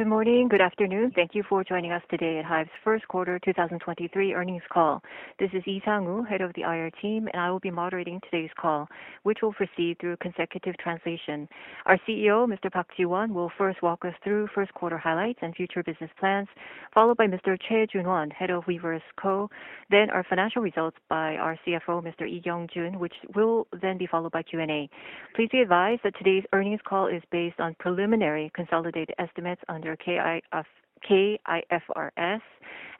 Good morning, good afternoon. Thank you for joining us today at HYBE's first quarter 2023 earnings call. This is Lee Sangwoo, head of the IR team, and I will be moderating today's call, which will proceed through consecutive translation. Our CEO, Mr. Park Ji-won, will first walk us through first quarter highlights and future business plans, followed by Mr. Choi Joon-won, CEO, Weverse Company, then our financial results by our CFO, Mr. Lee Kyeong-jun, which will then be followed by Q&A. Please be advised that today's earnings call is based on preliminary consolidated estimates under K-IFRS,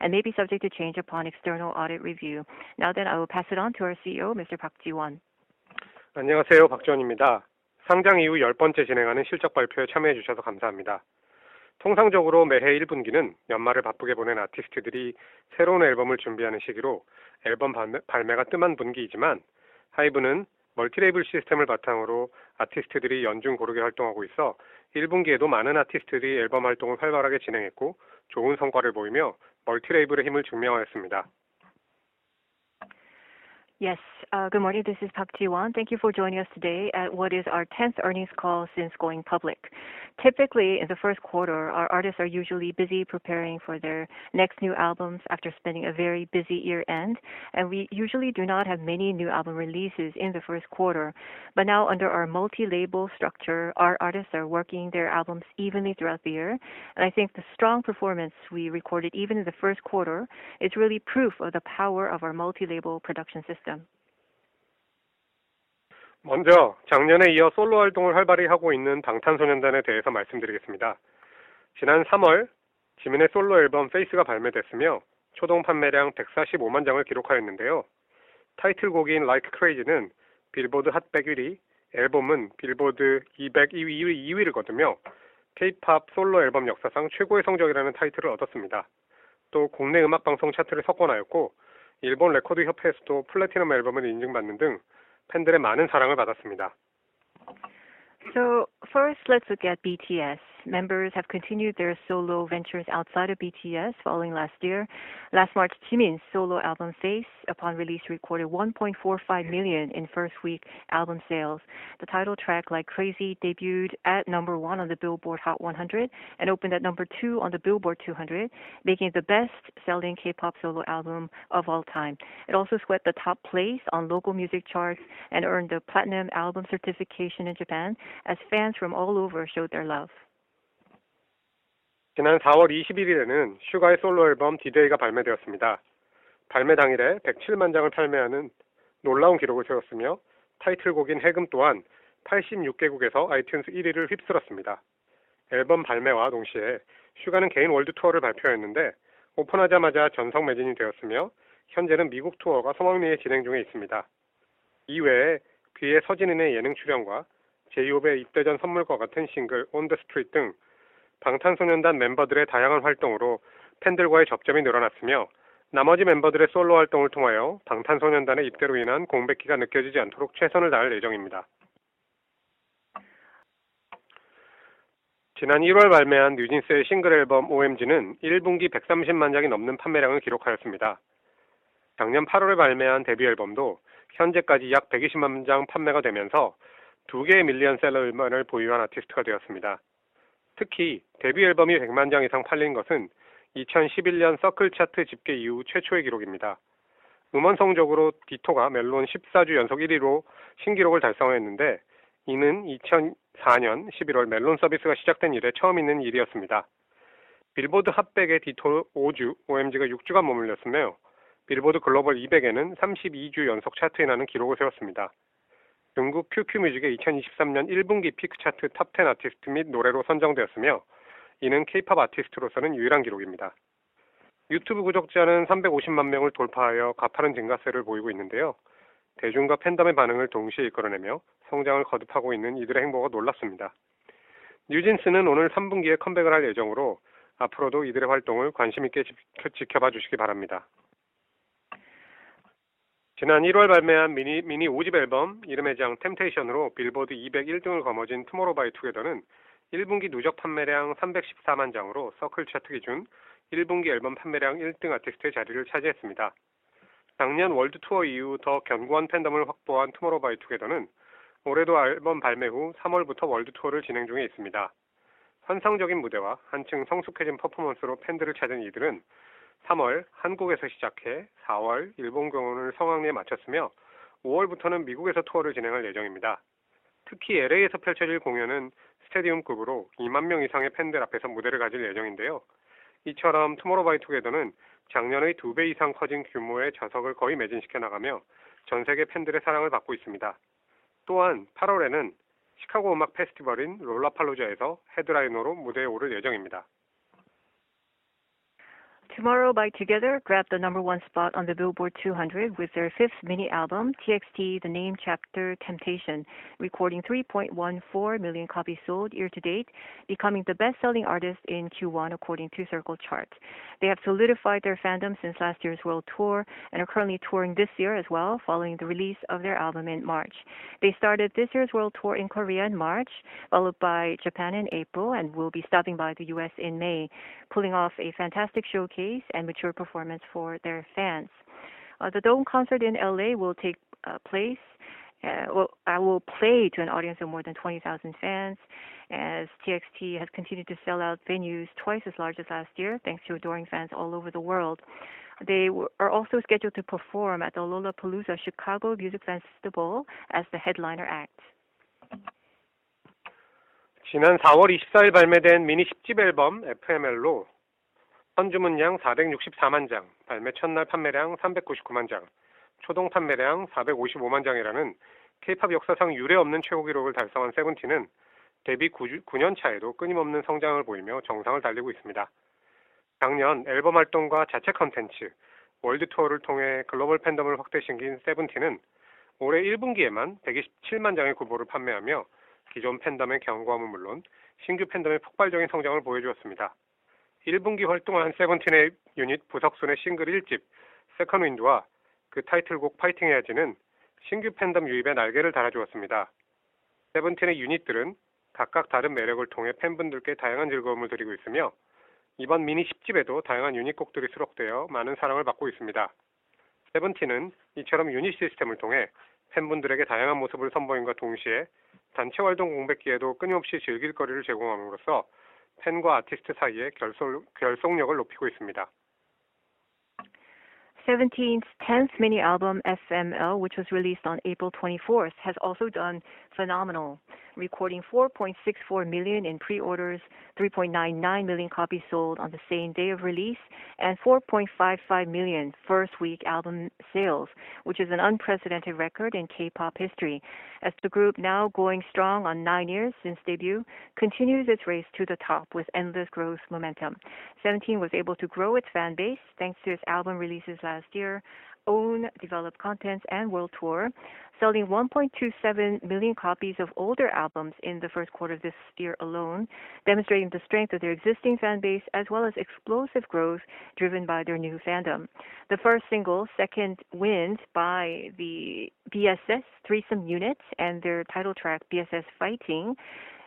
and may be subject to change upon external audit review. I will pass it on to our CEO, Mr. Park Ji-won. Yes. Good morning. This is Park Ji-won. Thank you for joining us today at what is our tenth earnings call since going public. Typically, in the first quarter, our artists are usually busy preparing for their next new albums after spending a very busy year-end, and we usually do not have many new album releases in the first quarter. Now, under our multi-label structure, our artists are working their albums evenly throughout the year. I think the strong performance we recorded even in the first quarter is really proof of the power of our multi-label production system. First, let's look at BTS. Members have continued their solo ventures outside of BTS following last year. Last March, Jimin's solo album, Face, upon release recorded 1.45 million in first week album sales. The title track, Like Crazy, debuted at number one on the Billboard Hot 100, opened at number two on the Billboard 200, making it the best-selling K-pop solo album of all time. It also swept the top place on local music charts and earned a platinum album certification in Japan, as fans from all over showed their love. Tomorrow X Together grabbed the number one spot on the Billboard 200 with their fifth mini-album, TXT: The Name Chapter Temptation, recording 3.14 million copies sold year-to-date, becoming the best-selling artist in Q1 according to Circle Chart. They have solidified their fandom since last year's world tour, are currently touring this year as well following the release of their album in March. They started this year's world tour in Korea in March, followed by Japan in April, will be stopping by the U.S. in May, pulling off a fantastic showcase and mature performance for their fans. The Dome concert in L.A. will take place. Well, will play to an audience of more than 20,000 fans as TXT has continued to sell out venues twice as large as last year, thanks to adoring fans all over the world. They are also scheduled to perform at the Lollapalooza Chicago Music Festival as the headliner act. SEVENTEEN's 10th mini-album, FML, which was released on April 24th, has also done phenomenal, recording 4.64 million in pre-orders, 3.99 million copies sold on the same day of release, and 4.55 million first week album sales, which is an unprecedented record in K-pop history. As the group, now going strong on nine years since debut, continues its race to the top with endless growth momentum. SEVENTEEN was able to grow its fan base thanks to its album releases last year, own developed content and world tour, selling 1.27 million copies of older albums in the first quarter of this year alone, demonstrating the strength of their existing fan base as well as explosive growth driven by their new fandom. The first single, SECOND WIND, by the BSS threesome unit and their title track, BSS Fighting,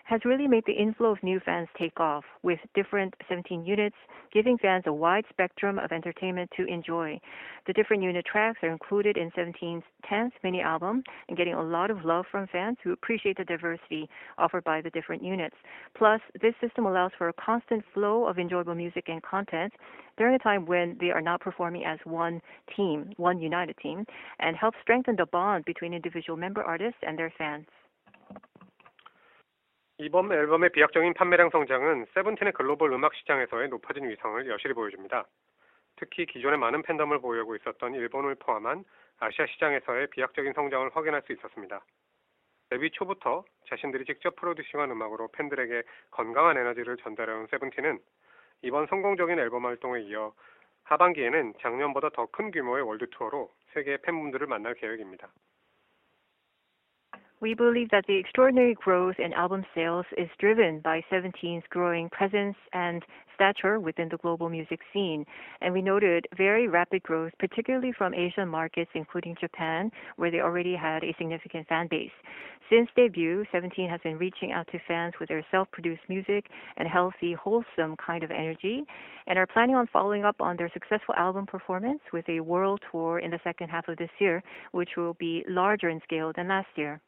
has really made the inflow of new fans take off with different SEVENTEEN units, giving fans a wide spectrum of entertainment to enjoy. The different unit tracks are included in SEVENTEEN's 10th mini-album and getting a lot of love from fans who appreciate the diversity offered by the different units. This system allows for a constant flow of enjoyable music and content during a time when they are not performing as one team, one united team, and helps strengthen the bond between individual member artists and their fans. We believe that the extraordinary growth in album sales is driven by SEVENTEEN's growing presence and stature within the global music scene. We noted very rapid growth, particularly from Asian markets, including Japan, where they already had a significant fan base. Since debut, SEVENTEEN has been reaching out to fans with their self-produced music and healthy, wholesome kind of energy, and are planning on following up on their successful album performance with a world tour in the second half of this year, which will be larger in scale than last year.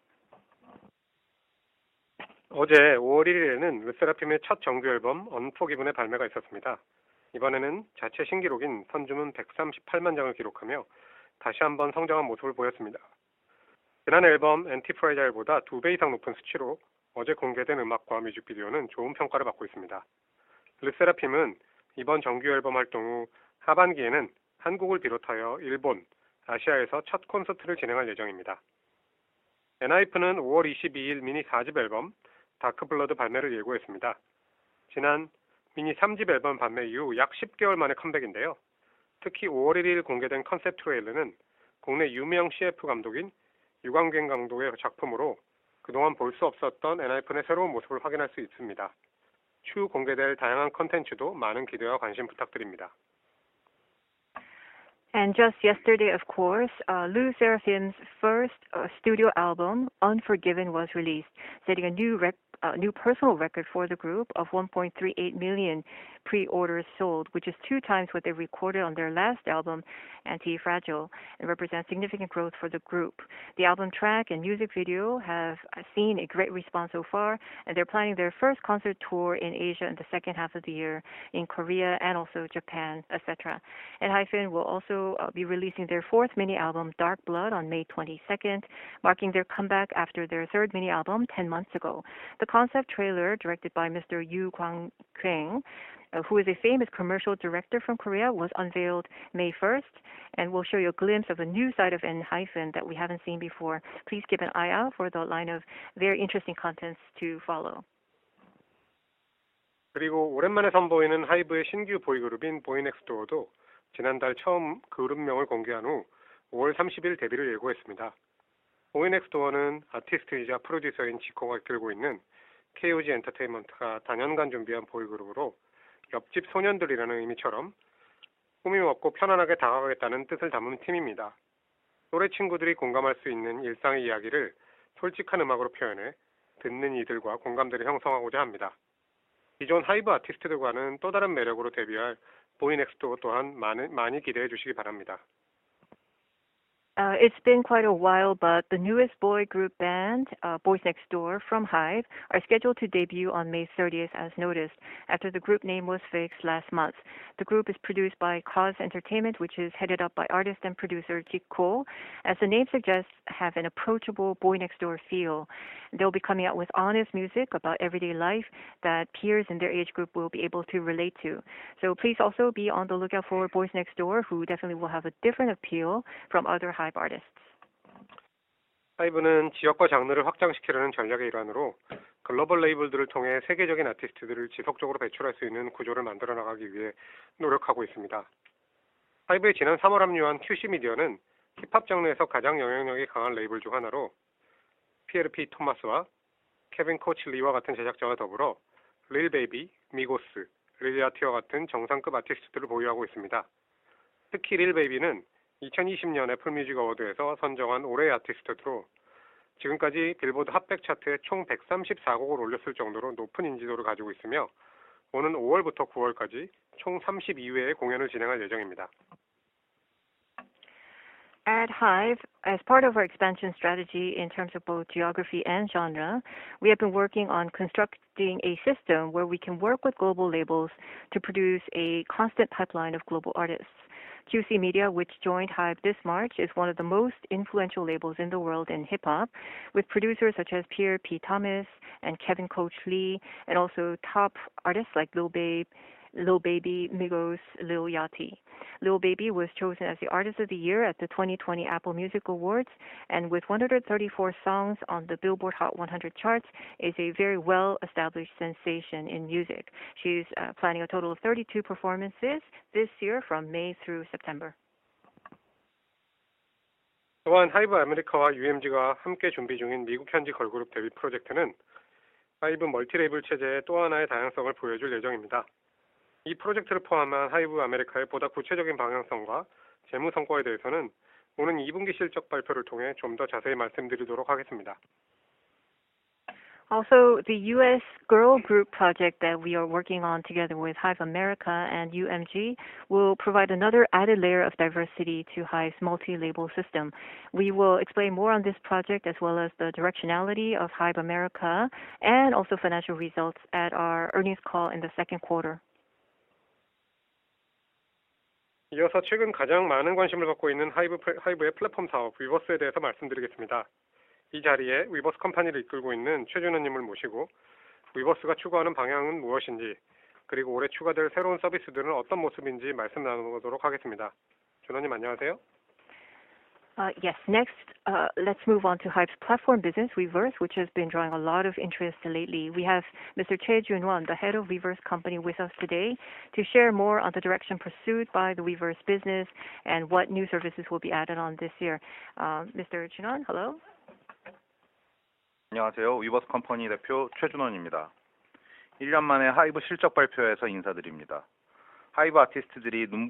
Just yesterday, of course, LE SSERAFIM's first studio album, UNFORGIVEN, was released, setting a new personal record for the group of 1.38 million pre-orders sold, which is two times what they recorded on their last album, ANTIFRAGILE, and represents significant growth for the group. The album track and music video have seen a great response so far, and they're planning their first concert tour in Asia in the second half of the year in Korea and also Japan, et cetera. ENHYPEN will also be releasing their fourth mini-album, DARK BLOOD, on May 22nd, marking their comeback after their third mini-album 10 months ago. The concept trailer, directed by Mr.Yu Kwang-keung, who is a famous commercial director from Korea, was unveiled May 1st, and will show you a glimpse of a new side of ENHYPEN that we haven't seen before. Please keep an eye out for the line of very interesting contents to follow. It's been quite a while, the newest boy group band, BOYNEXTDOOR from HYBE, are scheduled to debut on May 30th, as noticed, after the group name was fixed last month. The group is produced by KOZ Entertainment, which is headed up by artist and producer Zico. As the name suggests, have an approachable boy next door feel. They'll be coming out with honest music about everyday life that peers in their age group will be able to relate to. Please also be on the lookout for BOYNEXTDOOR, who definitely will have a different appeal from other HYBE artists. At HYBE, as part of our expansion strategy in terms of both geography and genre, we have been working on constructing a system where we can work with global labels to produce a constant pipeline of global artists. Quality Control Music, which joined HYBE this March, is one of the most influential labels in the world in hip-hop, with producers such as Pierre P. Thomas and Kevin Coach Lee, and also top artists like Lil Baby, Lil Baby, Migos, Lil Yachty. Lil Baby was chosen as the Artist of the Year at the 2020 Apple Music Awards, and with 134 songs on the Billboard Hot 100 charts, is a very well-established sensation in music. She's planning a total of 32 performances this year from May through September. The US girl group project that we are working on together with HYBE America and UMG will provide another added layer of diversity to HYBE's multi-label system. We will explain more on this project as well as the directionality of HYBE America and also financial results at our earnings call in the second quarter. Yes. Let's move on to HYBE's platform business,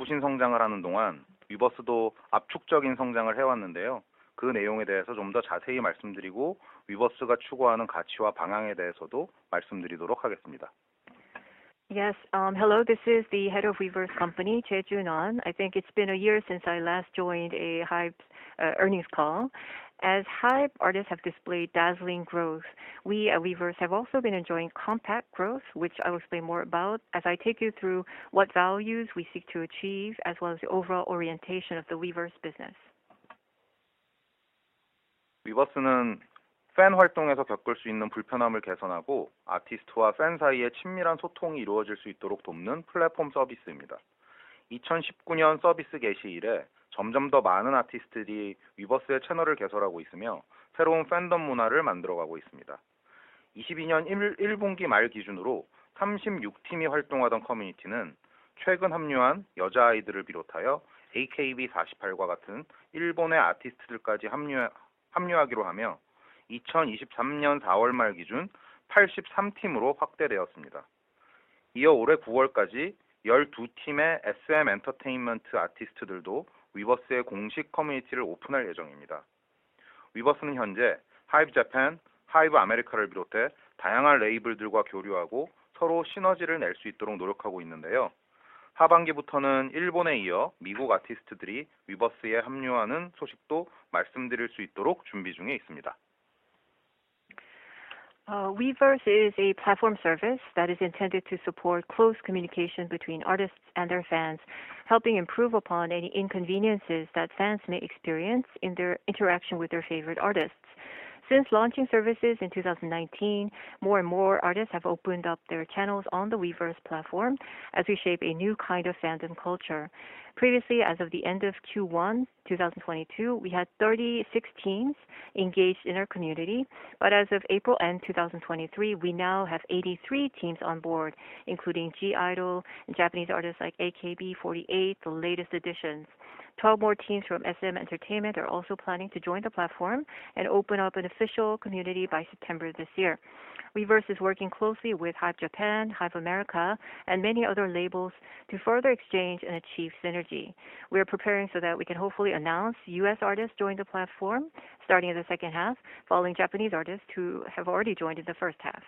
Weverse, which has been drawing a lot of interest lately. Since launching services in 2019, more and more artists have opened up their channels on the Weverse platform as we shape a new kind of fandom culture. Previously, as of the end of Q1 2022, we had 36 teams engaged in our community, but as of April end 2023, we now have 83 teams on board, including (G)I-DLE and Japanese artists like AKB48, the latest additions. 12 more teams from SM Entertainment are also planning to join the platform and open up an official community by September this year. Weverse is working closely with HYBE Japan, HYBE America, and many other labels to further exchange and achieve synergy. We are preparing so that we can hopefully announce U.S. artists join the platform starting in the second half, following Japanese artists who have already joined in the first half.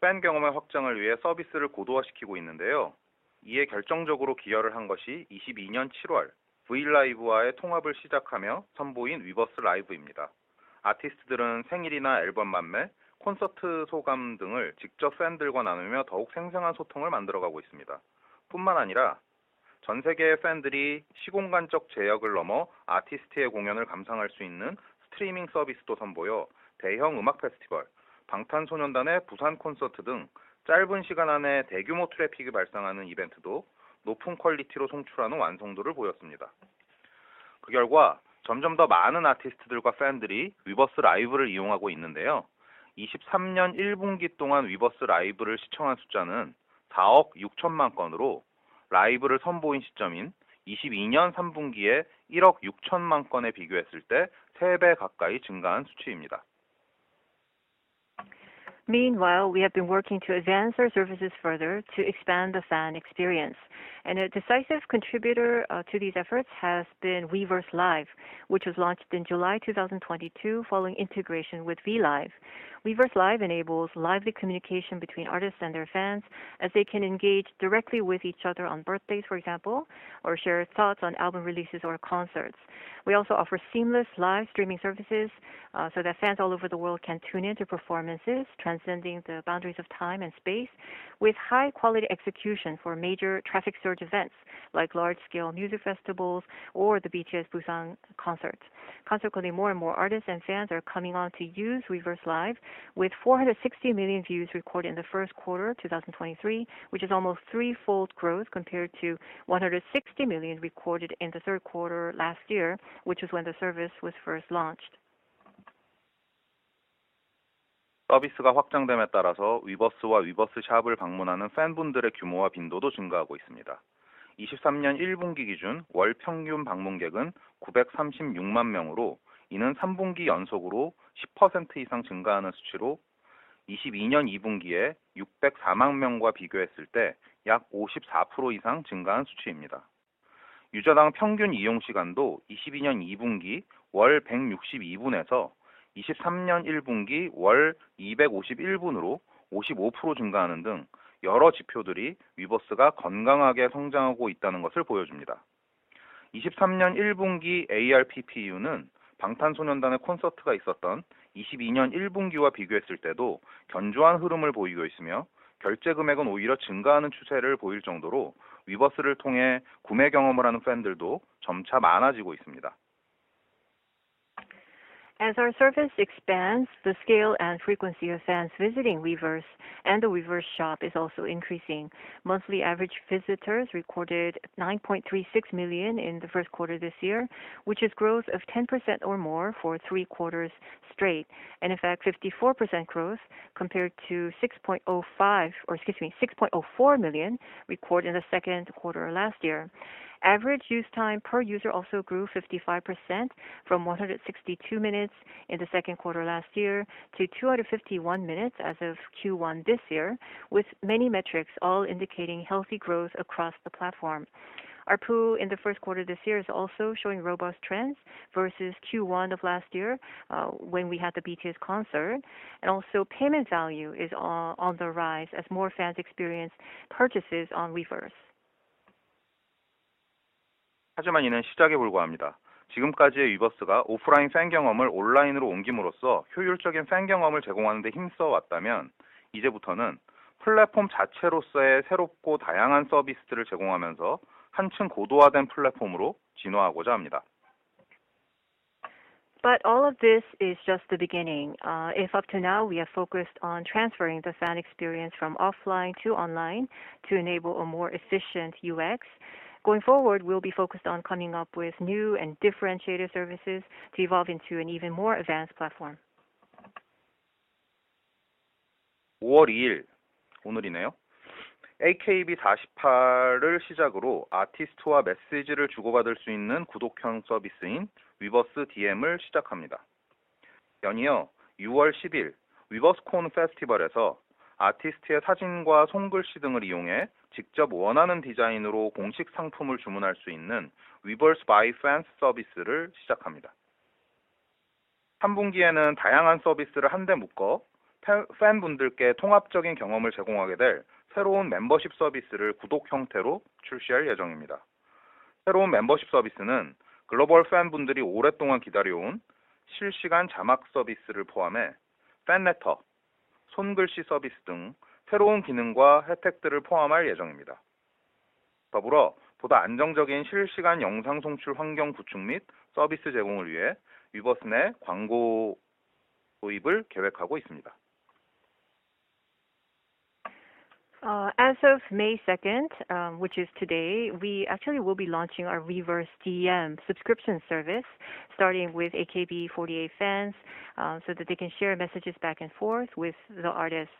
팬 경험의 확장을 위해 서비스를 고도화시키고 있는데요. 이에 결정적으로 기여를 한 것이 2022 July V LIVE와의 통합을 시작하며 선보인 Weverse Live입니다. 아티스트들은 생일이나 앨범 판매, 콘서트 소감 등을 직접 팬들과 나누며 더욱 생생한 소통을 만들어 가고 있습니다. 전 세계의 팬들이 시공간적 제약을 넘어 아티스트의 공연을 감상할 수 있는 스트리밍 서비스도 선보여 대형 음악 페스티벌, BTS의 Busan concert 등 짧은 시간 안에 대규모 트래픽이 발생하는 이벤트도 높은 퀄리티로 송출하는 완성도를 보였습니다. 점점 더 많은 아티스트들과 팬들이 Weverse Live를 이용하고 있는데요. 2023 Q1 동안 Weverse Live를 시청한 숫자는 460 million 건으로, 라이브를 선보인 시점인 2022 Q3에 160 million 건에 비교했을 때 nearly three times 증가한 수치입니다. Meanwhile, we have been working to advance our services further to expand the fan experience. A decisive contributor to these efforts has been Weverse Live, which was launched in July 2022 following integration with V Live. Weverse Live enables lively communication between artists and their fans as they can engage directly with each other on birthdays, for example, or share thoughts on album releases or concerts. We also offer seamless live streaming services so that fans all over the world can tune in to performances, transcending the boundaries of time and space with high-quality execution for major traffic surge events like large-scale music festivals or the BTS Busan concerts. Consequently, more and more artists and fans are coming on to use Weverse Live, with 460 million views recorded in the first quarter 2023, which is almost three-fold growth compared to 160 million recorded in the third quarter last year, which is when the service was first launched. 서비스가 확장됨에 따라서 Weverse와 Weverse Shop을 방문하는 팬분들의 규모와 빈도도 증가하고 있습니다. 2023 1Q 기준 월 평균 방문객은 9.36 million 명으로, 이는 3분기 연속으로 10% 이상 증가하는 수치로 2022 2Q에 6.04 million 명과 비교했을 때약 54% 이상 증가한 수치입니다. 유저당 평균 이용 시간도 2022 2Q 월 162분에서 2023 1Q 월 251분으로 55% 증가하는 등 여러 지표들이 Weverse가 건강하게 성장하고 있다는 것을 보여줍니다. 2023 1Q ARPU는 BTS의 콘서트가 있었던 2022 1Q와 비교했을 때도 견조한 흐름을 보이고 있으며, Payment Amount는 오히려 증가하는 추세를 보일 정도로 Weverse를 통해 구매 경험을 하는 팬들도 점차 많아지고 있습니다. As our service expands, the scale and frequency of fans visiting Weverse and the Weverse Shop is also increasing. Monthly average visitors recorded 9.36 million in the first quarter this year, which is growth of 10% or more for three quarters straight. In fact, 54% growth compared to 6.05, or excuse me, 6.04 million recorded in the second quarter last year. Average use time per user also grew 55% from 162 minutes in the second quarter last year to 251 minutes as of Q1 this year, with many metrics all indicating healthy growth across the platform. ARPU in the first quarter this year is also showing robust trends versus Q1 of last year, when we had the BTS concert. Also payment value is on the rise as more fans experience purchases on Weverse. 이는 시작에 불과합니다. 지금까지의 Weverse가 오프라인 팬 경험을 온라인으로 옮김으로써 효율적인 팬 경험을 제공하는 데 힘써왔다면, 이제부터는 platform 자체로서의 새롭고 다양한 서비스를 제공하면서 한층 고도화된 platform으로 진화하고자 합니다. All of this is just the beginning. If up to now, we are focused on transferring the fan experience from offline to online to enable a more efficient UX. Going forward, we'll be focused on coming up with new and differentiated services to evolve into an even more advanced platform. 오월 이일, 오늘이네요. AKB48을 시작으로 아티스트와 메시지를 주고받을 수 있는 구독형 서비스인 위버스 DM을 시작합니다. 연이어 유월 십일 위버스콘 페스티벌에서 아티스트의 사진과 손글씨 등을 이용해 직접 원하는 디자인으로 공식 상품을 주문할 수 있는 위버스 바이 팬스 서비스를 시작합니다. 삼분기에는 다양한 서비스를 한데 묶어 팬분들께 통합적인 경험을 제공하게 될 새로운 멤버십 서비스를 구독 형태로 출시할 예정입니다. 새로운 멤버십 서비스는 글로벌 팬분들이 오랫동안 기다려온 실시간 자막 서비스를 포함해 팬레터, 손글씨 서비스 등 새로운 기능과 혜택들을 포함할 예정입니다. 더불어 보다 안정적인 실시간 영상 송출 환경 구축 및 서비스 제공을 위해 위버스 내 광고 도입을 계획하고 있습니다. As of May second, which is today, we actually will be launching our Weverse DM subscription service, starting with AKB48 fans so that they can share messages back and forth with the artists.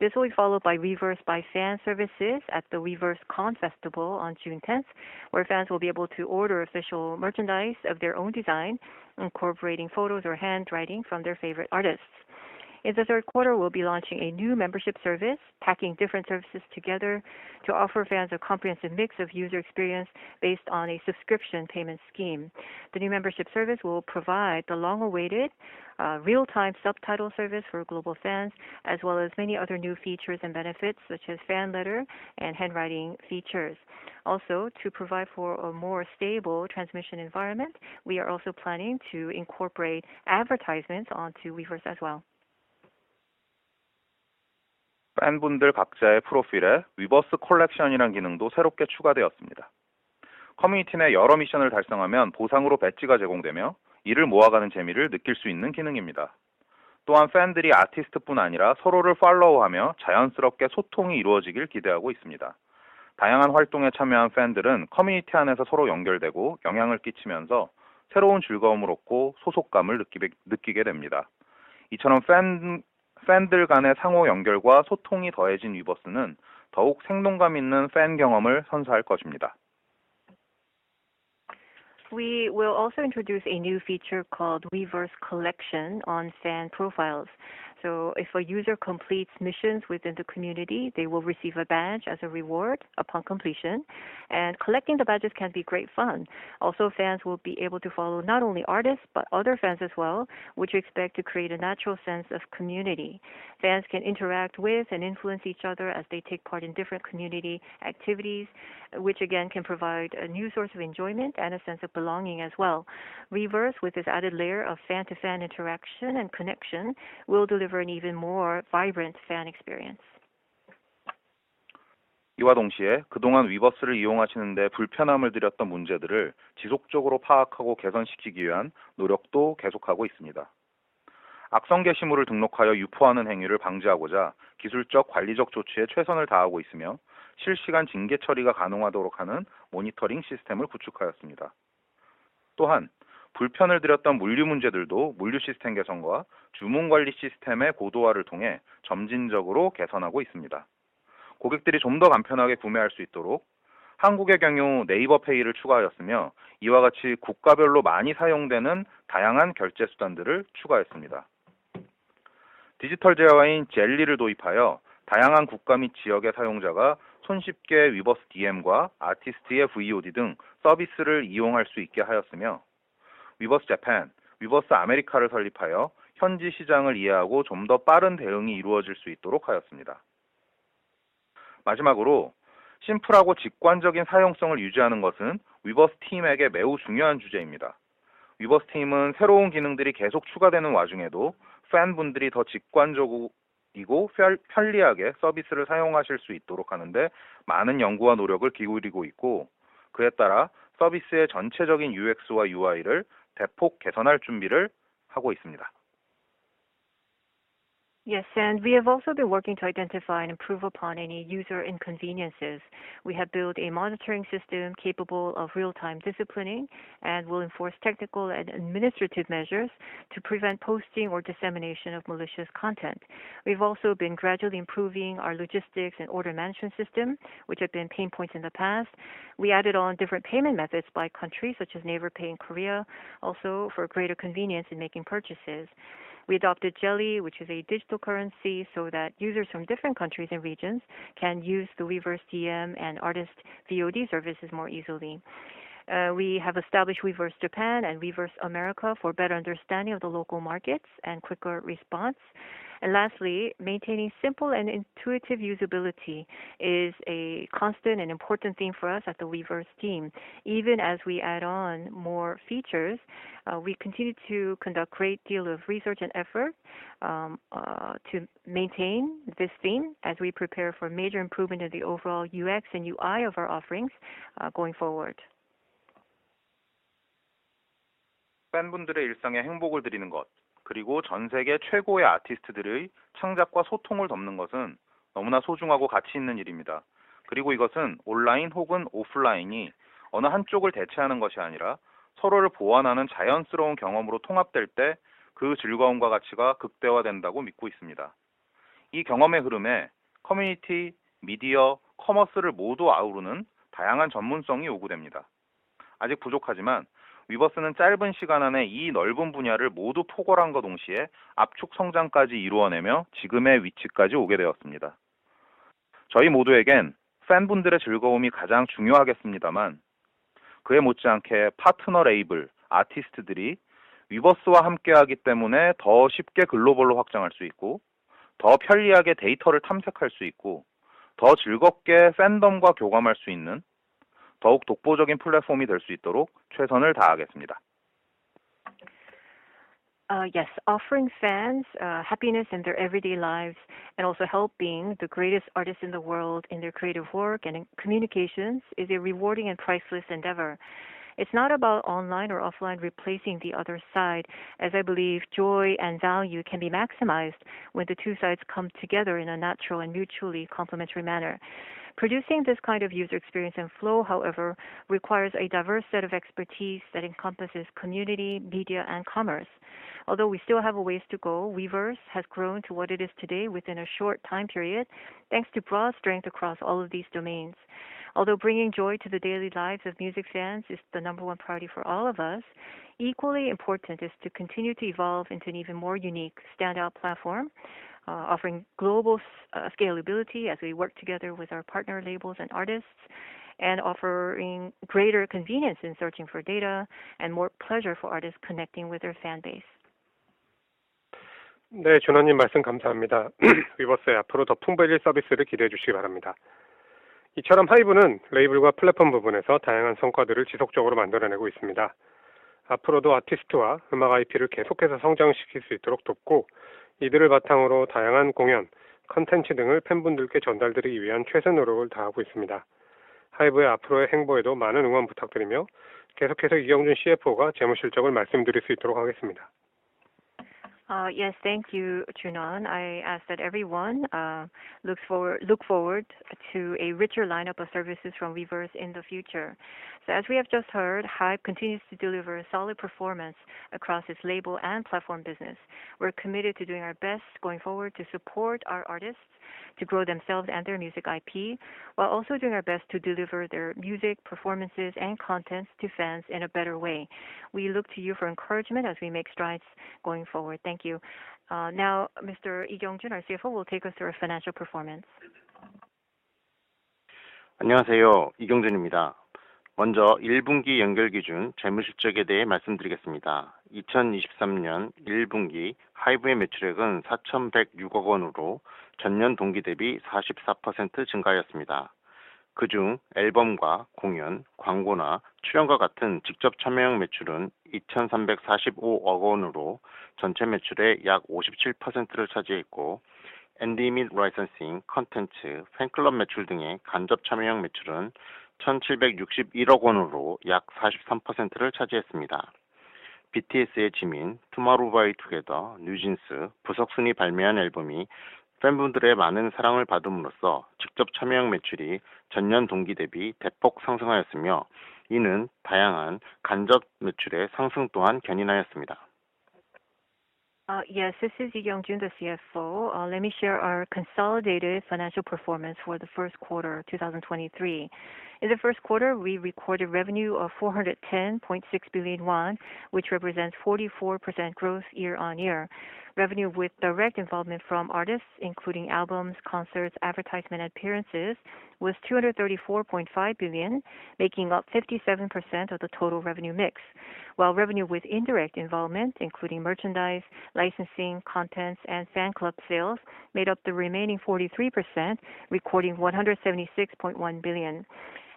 This will be followed by Weverse by Fans services at the Weverse Con Festival on June 10th, where fans will be able to order official merchandise of their own design, incorporating photos or handwriting from their favorite artists. In the third quarter, we'll be launching a new membership service, packing different services together to offer fans a comprehensive mix of user experience based on a subscription payment scheme. The new membership service will provide the long-awaited real-time subtitle service for global fans, as well as many other new features and benefits such as fan letter and handwriting features. To provide for a more stable transmission environment, we are also planning to incorporate advertisements onto Weverse as well. Fan bun-dal gak-ja-ui profile-e Weverse Collection-iran ginung-do saeobkke chuga doeyossseubni-da. Community-nae yeoreo mission-eul dalseonghamyeon bo-sang-eulo badge-ga jeong-gongdoemyeo ileul moawaganui jaemi-reul neukkil su issneun ginung-imni-da. Ttwohan fan-deuri artist-bbun anira seolo-reul follow hamyeo janheunsseubkke so-tong-i irwoojigil gidaehago issseubni-da. Dangayo han-hwadong-e chamyeohan fan-deureun community an-eseo seoro yeonggeoldoego yeonghyang-eul kkiechimyeoso saeroun julgeoum-e eopgo so-sokgam-eul neukige doebni-da. Icheoleom fan-deul-gan-ui sang-o yeonggeolgwa so-tong-i deoejin Weverse-neun deoug saengdonggamissneun fan gyeong-eom-eul seonsohal geosimni-da. We will also introduce a new feature called Weverse Collection on fan profiles. If a user completes missions within the community, they will receive a badge as a reward upon completion, and collecting the badges can be great fun. Fans will be able to follow not only artists, but other fans as well, which we expect to create a natural sense of community. Fans can interact with and influence each other as they take part in different community activities, which again, can provide a new source of enjoyment and a sense of belonging as well. Weverse, with this added layer of fan to fan interaction and connection, will deliver an even more vibrant fan experience. Iwa dongshie geudongan Weverse-reul 이용하시는데 불편함을 드렸던 문제들을 지속적으로 파악하고 개선시키기 위한 노력도 계속하고 있습니다. 악성 게시물을 등록하여 유포하는 행위를 방지하고자 기술적, 관리적 조치에 최선을 다하고 있으며, 실시간 징계 처리가 가능하도록 하는 모니터링 시스템을 구축하였습니다. 불편을 드렸던 물류 문제들도 물류 시스템 개선과 주문 관리 시스템의 고도화를 통해 점진적으로 개선하고 있습니다. 고객들이 좀더 간편하게 구매할 수 있도록 한국의 경우 Naver Pay를 추가하였으며, 이와 같이 국가별로 많이 사용되는 다양한 결제 수단들을 추가했습니다. 디지털 재화인 Jelly를 도입하여 다양한 국가 및 지역의 사용자가 손쉽게 Weverse DM과 아티스트의 VOD 등 서비스를 이용할 수 있게 하였으며, Weverse Japan, Weverse America를 설립하여 현지 시장을 이해하고 좀더 빠른 대응이 이루어질 수 있도록 하였습니다. 심플하고 직관적인 사용성을 유지하는 것은 Weverse 팀에게 매우 중요한 주제입니다. Weverse 팀은 새로운 기능들이 계속 추가되는 와중에도 팬분들이 더 직관적이고 편리하게 서비스를 사용하실 수 있도록 하는 데 많은 연구와 노력을 기울이고 있고, 그에 따라 서비스의 전체적인 UX와 UI를 대폭 개선할 준비를 하고 있습니다. Yes. We have also been working to identify and improve upon any user inconveniences. We have built a monitoring system capable of real-time disciplining, and we'll enforce technical and administrative measures to prevent posting or dissemination of malicious content. We've also been gradually improving our logistics and order management system, which have been pain points in the past. We added on different payment methods by countries such as Naver Pay in Korea, also for greater convenience in making purchases. We adopted Weverse Jelly, which is a digital currency, so that users from different countries and regions can use the Weverse DM and artist VOD services more easily. We have established Weverse Japan and Weverse America for better understanding of the local markets and quicker response. Lastly, maintaining simple and intuitive usability is a constant and important theme for us at the Weverse team. Even as we add on more features, we continue to conduct great deal of research and effort, to maintain this theme as we prepare for major improvement in the overall UX and UI of our offerings, going forward. Fan-bun-deure il-sang-e haengbog-eul deurineun geot, geurigo jeon segye choegoi artist-deureui changjakgwa so-tong-eul deomneun geot은 neomu-na sojung-hago gachi issneun il-imni-da. Geurigo igeot은 online hogun offline-i eono han jjog-eul daechaehaneun geot-i anira seolo-reul bohwanhaneun janheunsseureoun gyeong-eom-eulo tonghapdoel ttae geu julgeoum-gwa gachi-ga geukdaehwa doendago mitgo issseubni-da. I gyeong-eom-ui heuleum-e community, media, commerce-reul modu auru-neun dangayo han jeonmunseong-i yogudeum-nibni-da. Ajik bojokhajiman Weverse-neun jalbun sigan an-e i neolbun bun-yeo-reul modu pogeolhan geo dongshie apchug sungjangkkaji irwoonaemyeo jigeum-ui wichkkaji oge doessseubni-da. Jeoi modu-ege-n fan-bun-deure julgeoum-i gajang jungyohagessseubni-da-man geui motji anh-kke partner label, artist-deuri Weverse-wa hamkke hago ittaemune deo swibge geulobeollo hwajanghal su itgo, deo pyonlhihage deiteoleul tamseokhal su itgo, deo julgeobkke fandom-gwa gyogamhal su issneun deoug dogbobojin platform-i dol su itdo-rok choeseon-eul dahagessseubni-da. Yes. Offering fans happiness in their everyday lives and also helping the greatest artists in the world in their creative work and in communications is a rewarding and priceless endeavor. It's not about online or offline replacing the other side, as I believe joy and value can be maximized when the two sides come together in a natural and mutually complementary manner. Producing this kind of user experience and flow, however, requires a diverse set of expertise that encompasses community, media and commerce. Although we still have a ways to go, Weverse has grown to what it is today within a short time period, thanks to broad strength across all of these domains. Although bringing joy to the daily lives of music fans is the number one priority for all of us, equally important is to continue to evolve into an even more unique standout platform, offering global scalability as we work together with our partner labels and artists, and offering greater convenience in searching for data and more pleasure for artists connecting with their fan base. Yes. Thank you, Joon-won. I ask that everyone look forward to a richer lineup of services from Weverse in the future. As we have just heard, HYBE continues to deliver solid performance across its label and platform business. We're committed to doing our best going forward to support our artists to grow themselves and their music IP, while also doing our best to deliver their music, performances and content to fans in a better way. We look to you for encouragement as we make strides going forward. Thank you. Now, Mr. Lee Kyeong-jun, our CFO, will take us through our financial performance. Yes, this is Lee Kyeong-jun, the CFO. Let me share our consolidated financial performance for the first quarter 2023. In the first quarter, we recorded revenue of 410.6 billion won, which represents 44% growth year on year. Revenue with direct involvement from artists, including albums, concerts, advertisement, appearances, was 234.5 billion, making up 57% of the total revenue mix. While revenue with indirect involvement, including merchandise, licensing, contents and fan club sales, made up the remaining 43%, recording 176.1 billion.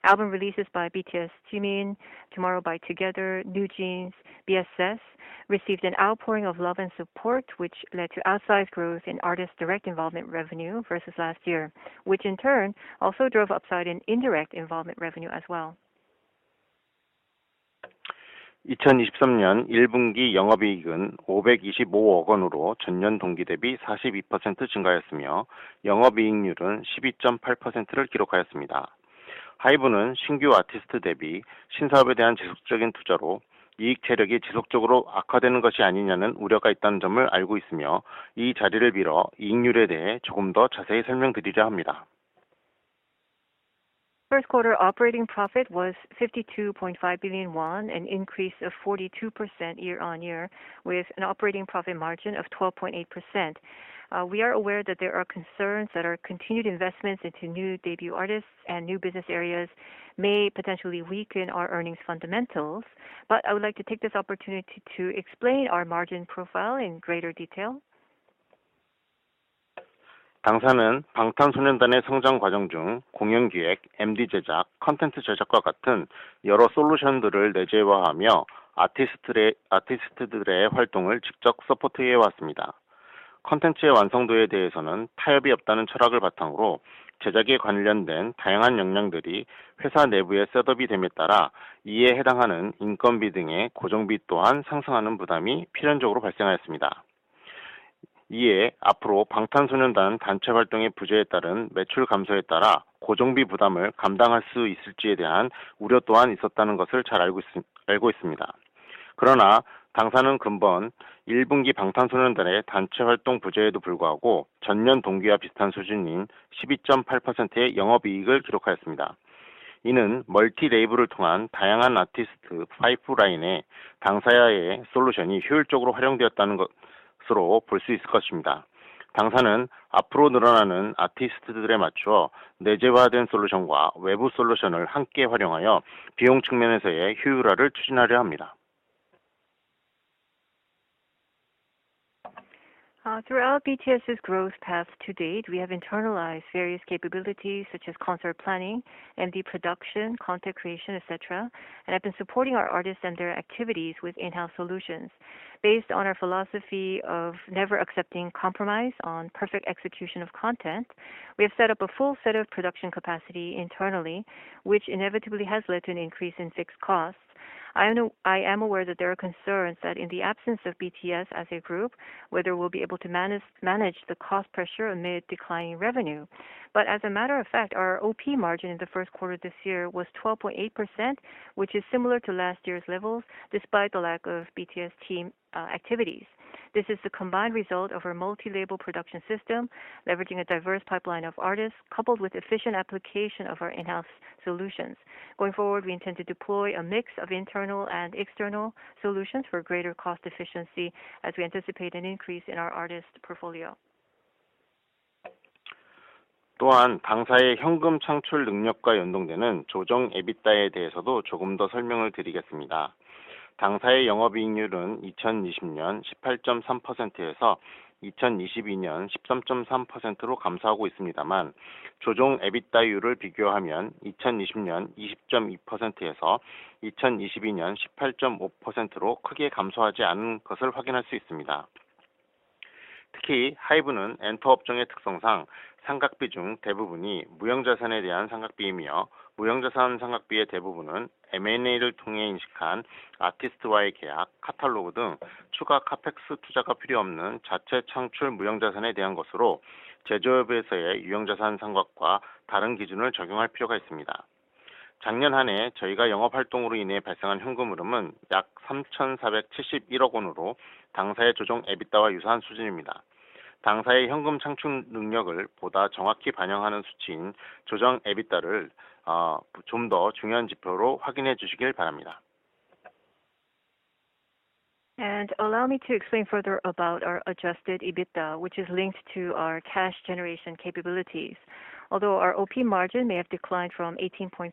Album releases by BTS Jimin, Tomorrow X Together, NewJeans, BSS, received an outpouring of love and support, which led to outsized growth in artist direct involvement revenue versus last year, which in turn also drove upside in indirect involvement revenue as well. First quarter operating profit was 52.5 billion won, an increase of 42% year-on-year, with an operating profit margin of 12.8%. We are aware that there are concerns that our continued investments into new debut artists and new business areas may potentially weaken our earnings fundamentals, I would like to take this opportunity to explain our margin profile in greater detail. Throughout BTS's growth path to date, we have internalized various capabilities such as concert planning, MD production, content creation, et cetera, have been supporting our artists and their activities with in-house solutions. Based on our philosophy of never accepting compromise on perfect execution of content, we have set up a full set of production capacity internally, which inevitably has led to an increase in fixed costs. I know, I am aware that there are concerns that in the absence of BTS as a group, whether we'll be able to manage the cost pressure amid declining revenue. As a matter of fact, our OP margin in the first quarter this year was 12.8%, which is similar to last year's levels, despite the lack of BTS team activities. This is the combined result of our multi-label production system, leveraging a diverse pipeline of artists, coupled with efficient application of our in-house solutions. Going forward, we intend to deploy a mix of internal and external solutions for greater cost efficiency as we anticipate an increase in our artist portfolio. Allow me to explain further about our adjusted EBITDA, which is linked to our cash generation capabilities. Although our OP margin may have declined from 18.3%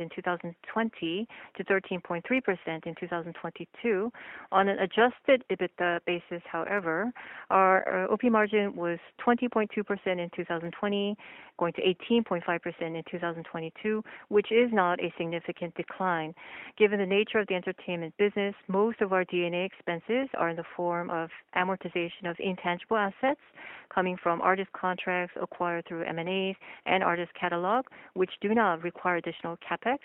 in 2020 to 13.3% in 2022, on an adjusted EBITDA basis however, our OP margin was 20.2% in 2020, going to 18.5% in 2022, which is not a significant decline. Given the nature of the entertainment business, most of our D&A expenses are in the form of amortization of intangible assets coming from artist contracts acquired through M&As and artist catalog, which do not require additional CapEx,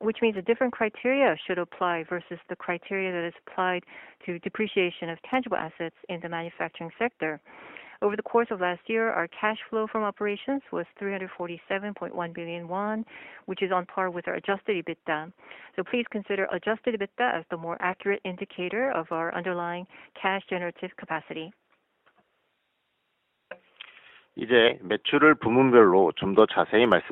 which means a different criteria should apply versus the criteria that is applied to depreciation of tangible assets in the manufacturing sector. Over the course of last year, our cash flow from operations was 347.1 billion won, which is on par with our adjusted EBITDA. Please consider adjusted EBITDA as the more accurate indicator of our underlying cash generative capacity. Now moving on to a breakdown of revenue by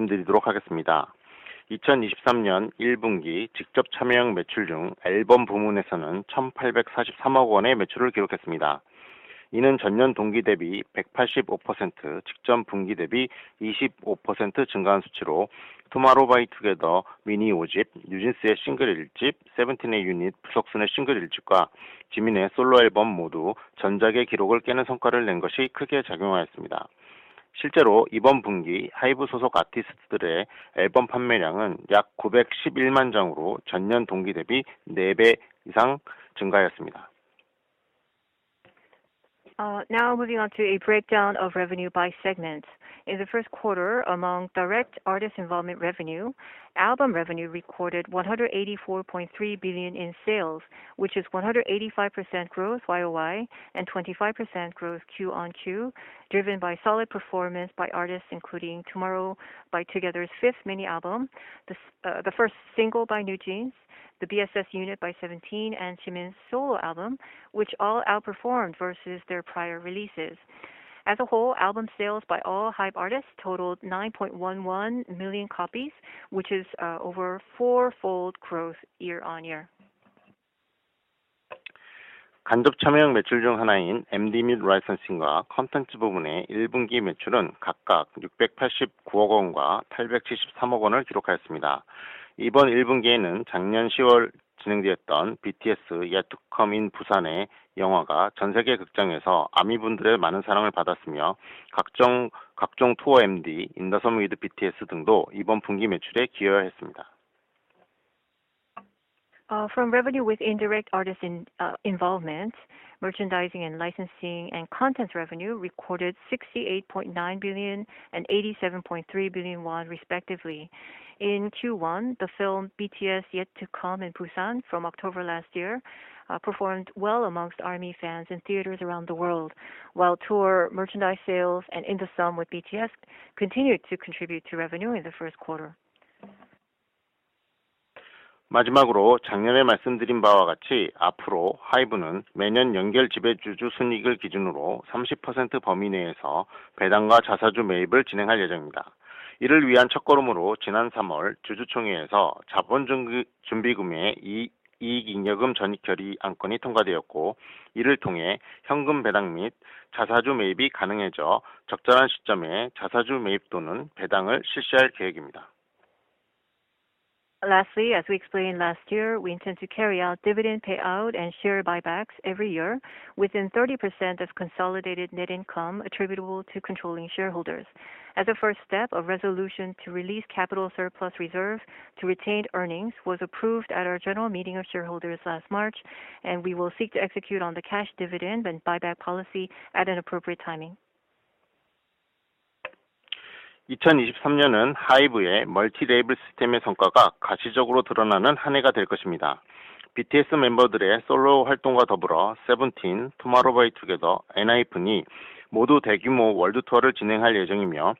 segment. In the first quarter, among direct artist involvement revenue, album revenue recorded 184.3 billion in sales, which is 185% growth YOY and 25% growth QoQ, driven by solid performance by artists including Tomorrow X Together's fifth mini-album, the first single by NewJeans, the BSS unit by SEVENTEEN, and Jimin's solo album, which all outperformed versus their prior releases. As a whole, album sales by all HYBE artists totaled 9.11 million copies, which is over fourfold growth year-on-year. From revenue with indirect artist in, involvement, merchandising and licensing and content revenue recorded 68.9 billion and 87.3 billion won, respectively. In Q1, the film BTS: Yet to Come in Cinemas from October last year, performed well amongst ARMY fans in theaters around the world. While tour merchandise sales and In the SEOM with BTS continued to contribute to revenue in the first quarter. Lastly, as we explained last year, we intend to carry out dividend payout and share buybacks every year within 30% of consolidated net income attributable to controlling shareholders. As a first step, a resolution to release capital surplus reserve to retained earnings was approved at our general meeting of shareholders last March, and we will seek to execute on the cash dividend and buyback policy at an appropriate timing. 2023년은 HYBE의 멀티 레이블 시스템의 성과가 가시적으로 드러나는 한 해가 될 것입니다. BTS 멤버들의 솔로 활동과 더불어 SEVENTEEN, Tomorrow X Together, ENHYPEN이 모두 대규모 월드투어를 진행할 예정이며,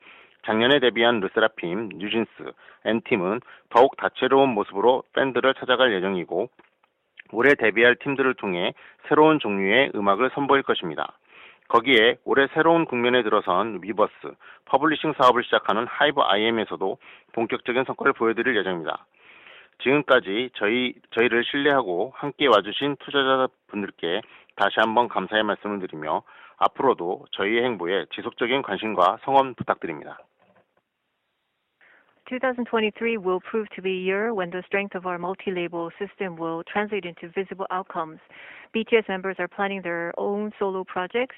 작년에 데뷔한 LE SSERAFIM, NewJeans, &TEAM은 더욱 다채로운 모습으로 팬들을 찾아갈 예정이고, 올해 데뷔할 팀들을 통해 새로운 종류의 음악을 선보일 것입니다. 거기에 올해 새로운 국면에 들어선 Weverse, 퍼블리싱 사업을 시작하는 HYBE IM에서도 본격적인 성과를 보여드릴 예정입니다. 지금까지 저희를 신뢰하고 함께 와주신 투자자분들께 다시 한번 감사의 말씀을 드리며, 앞으로도 저희의 행보에 지속적인 관심과 성원 부탁드립니다. 2023 will prove to be a year when the strength of our multi-label system will translate into visible outcomes. BTS members are planning their own solo projects,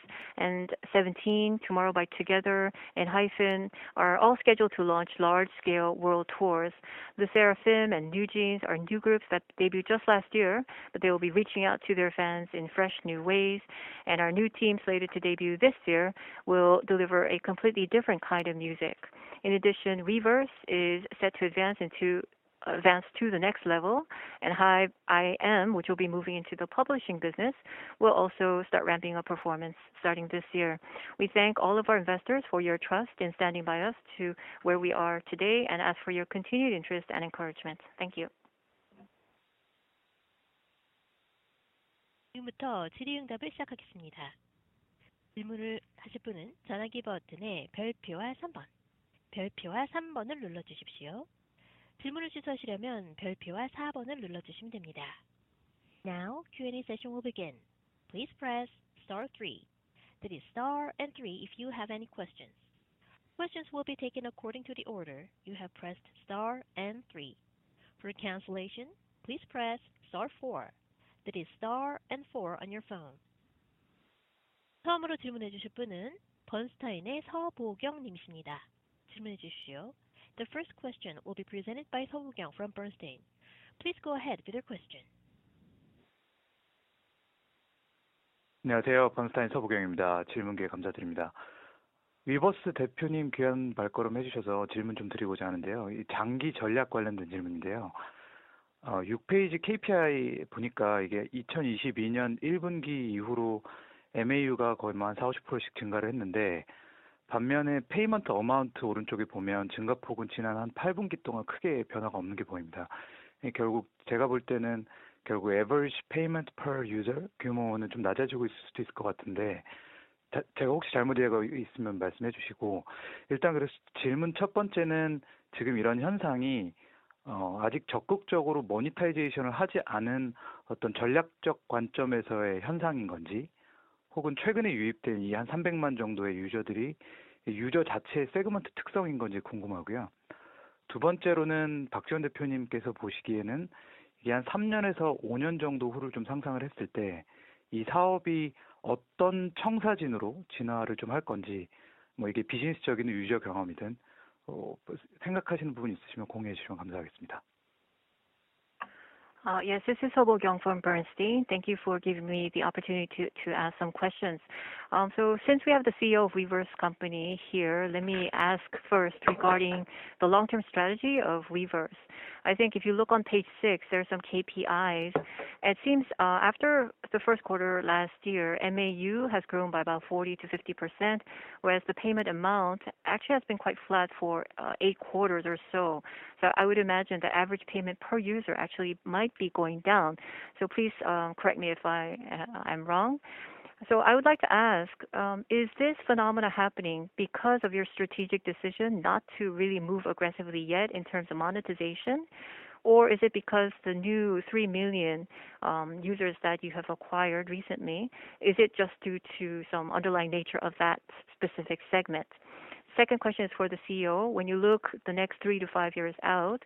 SEVENTEEN, Tomorrow X Together, and ENHYPEN are all scheduled to launch large-scale world tours. LE SSERAFIM and NewJeans are new groups that debuted just last year, but they will be reaching out to their fans in fresh new ways, and our new teams slated to debut this year will deliver a completely different kind of music. In addition, Weverse is set to advance to the next level, and HYBE IM, which will be moving into the publishing business, will also start ramping up performance starting this year. We thank all of our investors for your trust in standing by us to where we are today and ask for your continued interest and encouragement. Thank you. 지금부터 질의응답을 시작하겠습니다. 질문을 하실 분은 전화기 버튼의 별표와 3번, 별표와 3번을 눌러주십시오. 질문을 취소하시려면 별표와 4번을 눌러주시면 됩니다. Now Q&A session will begin. Please press star 3, that is star and 3 if you have any questions. Questions will be taken according to the order you have pressed star and 3. For cancellation, please press star 4. That is star and 4 on your phone. 처음으로 질문해 주실 분은 Bernstein의 Bokyung Suh 님입니다. 질문해 주십시오. The first question will be presented by Bokyung Suh from Bernstein. Please go ahead with your question. 안녕하세요. Bernstein Bokyung Suh입니다. 질문 기회 감사드립니다. Weverse 대표님 귀한 발걸음해 주셔서 질문 좀 드리고자 하는데요. 장기 전략 관련된 질문인데요. 6 페이지 KPI 보니까 이게 2022년 1분기 이후로 MAU가 거의 뭐한 40%-50%씩 증가를 했는데, 반면에 Payment Amount 오른쪽에 보면 증가폭은 지난 한 8분기 동안 크게 변화가 없는 게 보입니다. 결국 제가 볼 때는 결국 Average Payment Per User 규모는 좀 낮아지고 있을 수도 있을 것 같은데, 제가 혹시 잘못 이해하고 있으면 말씀해 주시고. 질문 첫 번째는 지금 이런 현상이, 아직 적극적으로 Monetization을 하지 않은 어떤 전략적 관점에서의 현상인 건지, 혹은 최근에 유입된 이한 300만 정도의 유저들이 유저 자체의 세그먼트 특성인 건지 궁금하고요. 두 번째로는 Park Ji-won 대표님께서 보시기에는 이게 한 3년에서 5년 정도 후를 좀 상상을 했을 때이 사업이 어떤 청사진으로 진화를 좀할 건지, 뭐 이게 비즈니스적이든 유저 경험이든, 생각하시는 부분 있으시면 공유해 주시면 감사하겠습니다. Yes, this is Bokyung Suh from Bernstein. Thank you for giving me the opportunity to ask some questions. Since we have the CEO of Weverse Company here, let me ask first regarding the long-term strategy of Weverse. I think if you look on page six, there are some KPIs. It seems after the first quarter last year, MAU has grown by about 40%-50%, whereas the Payment Amount actually has been quite flat for eight quarters or so. I would imagine the average payment per user actually might be going down. Please correct me if I'm wrong. I would like to ask, is this phenomena happening because of your strategic decision not to really move aggressively yet in terms of monetization? Is it because the new 3 million users that you have acquired recently, is it just due to some underlying nature of that specific segment? Second question is for the CEO. When you look the next three to five years out,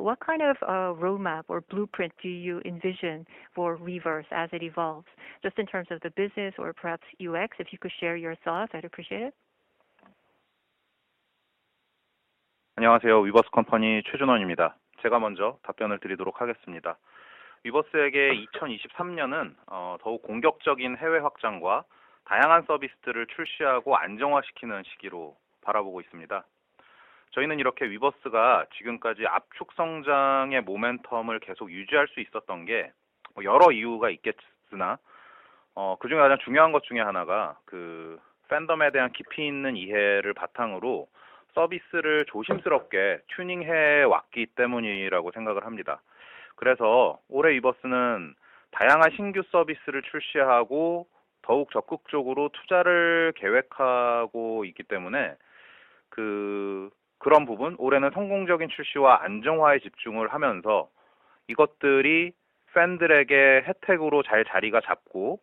what kind of roadmap or blueprint do you envision for Weverse as it evolves? Just in terms of the business or perhaps UX, if you could share your thoughts, I'd appreciate it? 안녕하세요. Weverse Company Choi Joon-won입니다. 제가 먼저 답변을 드리도록 하겠습니다. Weverse에게 2023년은 더욱 공격적인 해외 확장과 다양한 서비스들을 출시하고 안정화시키는 시기로 바라보고 있습니다. 저희는 이렇게 Weverse가 지금까지 압축 성장의 모멘텀을 계속 유지할 수 있었던 게, 뭐 여러 이유가 있겠으나, 그중에 가장 중요한 것 중에 하나가 fandom에 대한 깊이 있는 이해를 바탕으로 서비스를 조심스럽게 튜닝해 왔기 때문이라고 생각을 합니다. 그래서 올해 Weverse는 다양한 신규 서비스를 출시하고 더욱 적극적으로 투자를 계획하고 있기 때문에, 그런 부분, 올해는 성공적인 출시와 안정화에 집중을 하면서 이것들이 팬들에게 혜택으로 잘 자리가 잡고,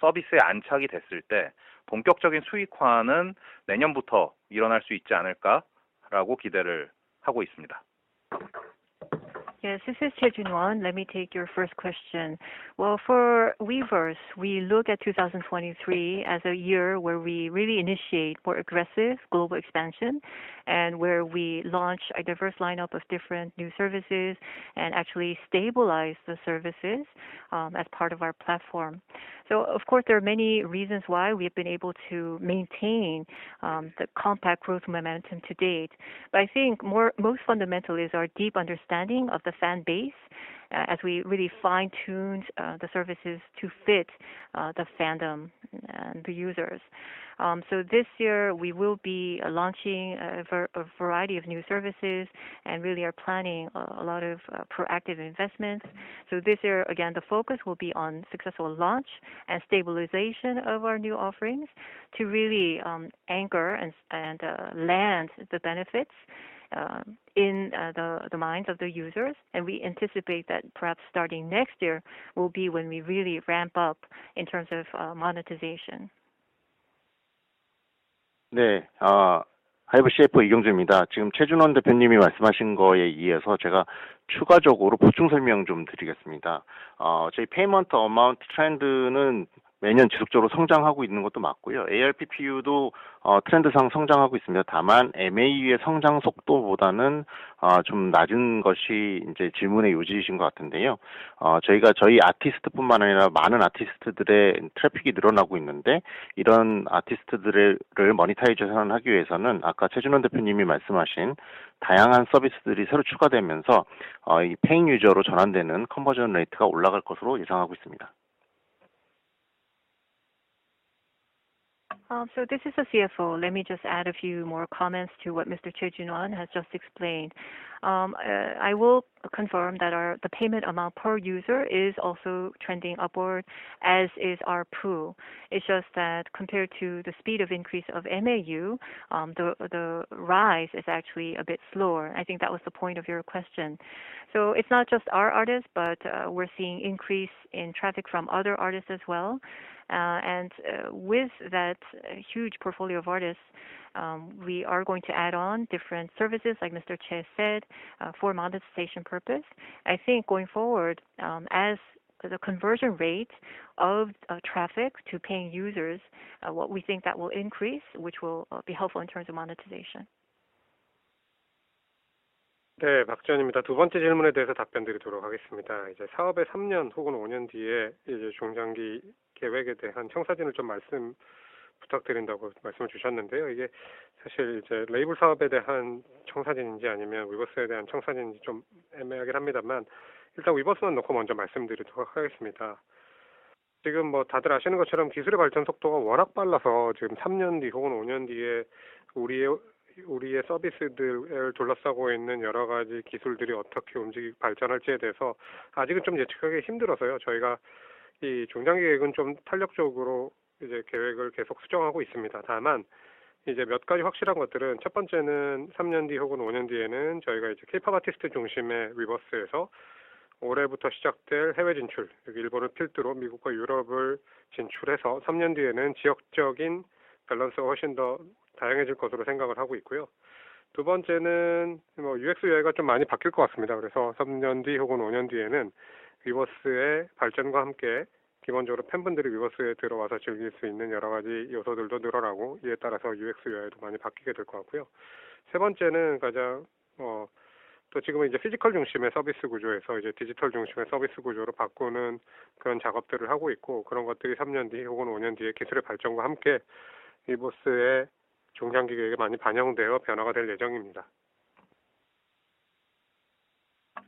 서비스에 안착이 됐을 때 본격적인 수익화는 내년부터 일어날 수 있지 않을까라고 기대를 하고 있습니다. Yes, this is Choi Joon-won. Let me take your first question. For Weverse, we look at 2023 as a year where we really initiate more aggressive global expansion and where we launch a diverse lineup of different new services and actually stabilize the services as part of our platform. Of course, there are many reasons why we've been able to maintain the compact growth momentum to date. I think most fundamental is our deep understanding of the fan base as we really fine-tuned the services to fit the fandom and the users. This year we will be launching a variety of new services and really are planning a lot of proactive investments. This year, again, the focus will be on successful launch and stabilization of our new offerings to really anchor and land the benefits in the minds of the users. And we anticipate that perhaps starting next year will be when we really ramp up in terms of monetization. This is the CFO. Let me just add a few more comments to what Mr. Choi Joon-won has just explained. I will confirm that the payment amount per user is also trending upward, as is ARPU. It's just that compared to the speed of increase of MAU, the rise is actually a bit slower. I think that was the point of your question. It's not just our artists, but we're seeing increase in traffic from other artists as well. With that huge portfolio of artists, we are going to add on different services, like Mr. Choi said, for monetization purpose. I think going forward, as the conversion rate of traffic to paying users, what we think that will increase, which will be helpful in terms of monetization. Yes.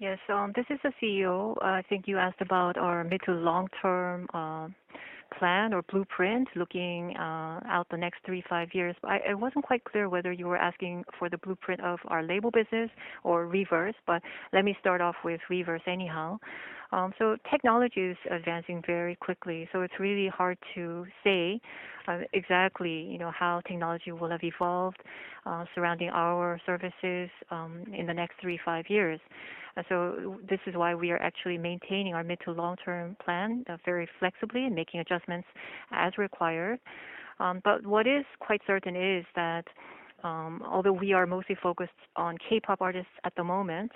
This is the CEO. I think you asked about our mid to long-term plan or blueprint looking out the next three, five years. I wasn't quite clear whether you were asking for the blueprint of our label business or Weverse, but let me start off with Weverse anyhow. Technology is advancing very quickly, so it's really hard to say exactly, you know, how technology will have evolved surrounding our services in the next three, five years. This is why we are actually maintaining our mid to long-term plan, very flexibly and making adjustments as required. What is quite certain is that, although we are mostly focused on K-pop artists at the moment,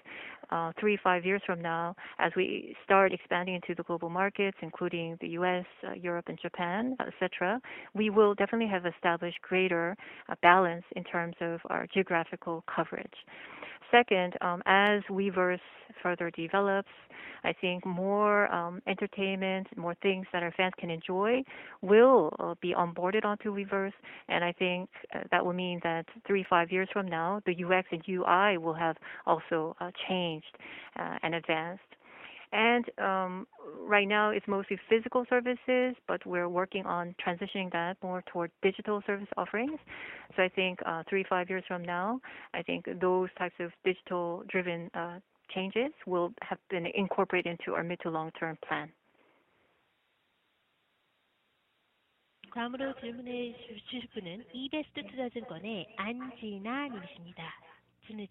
three, five years from now, as we start expanding into the global markets, including the US, Europe and Japan, et cetera, we will definitely have established greater balance in terms of our geographical coverage. Second, as Weverse further develops, I think more entertainment, more things that our fans can enjoy will be onboarded onto Weverse, and I think that will mean that three, five years from now, the UX and UI will have also changed and advanced. Right now it's mostly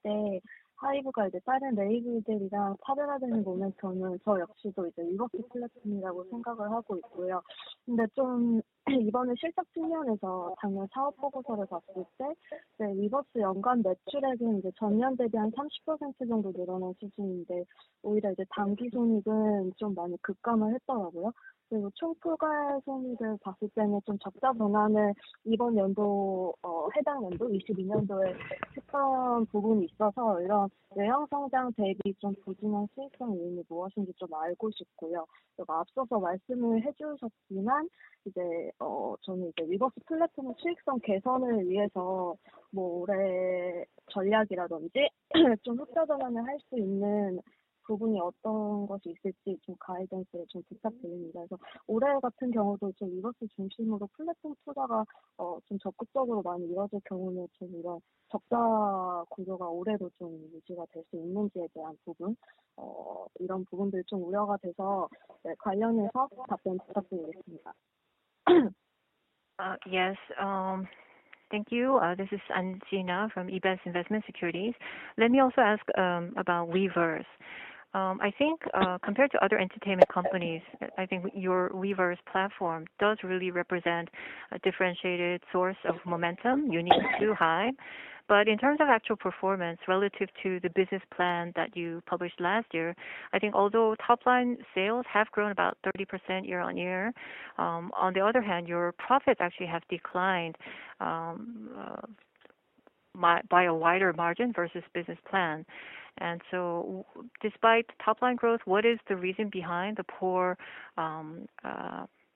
physical services, but we're working on transitioning that more toward digital service offerings. I think 3, 5 years from now, I think those types of digital-driven changes will have been incorporated into our mid to long-term plan. The following question will be provided by Ahn Jina from eBEST Investment & Securities. Please go ahead with your question. Yes. Thank you. This is Ahn Jina from eBEST Investment & Securities. Let me also ask about Weverse. I think, compared to other entertainment companies, I think your Weverse platform does really represent a differentiated source of momentum unique to HYBE. In terms of actual performance relative to the business plan that you published last year, I think although top line sales have grown about 30% year-on-year, on the other hand, your profits actually have declined by a wider margin versus business plan. Despite top line growth, what is the reason behind the poor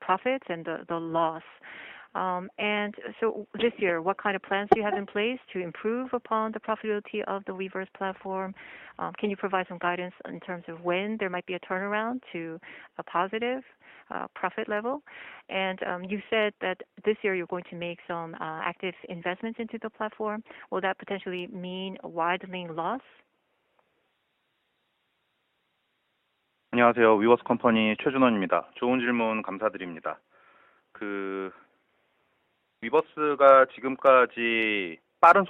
profits and the loss? This year, what kind of plans do you have in place to improve upon the profitability of the Weverse platform? Can you provide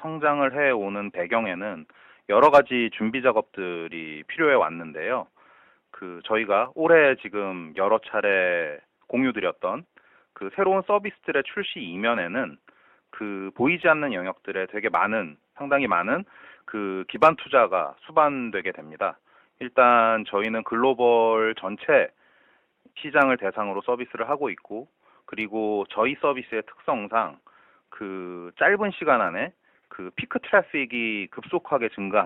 some guidance in terms of when there might be a turnaround to a positive profit level? You said that this year you're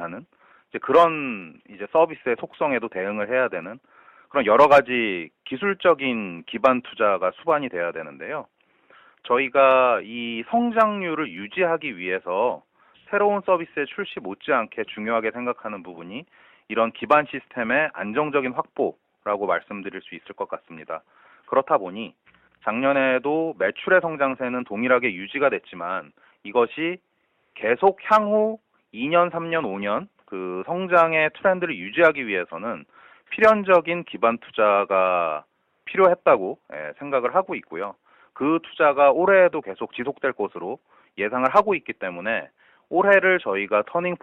going to make some active investments into the platform. Will that potentially mean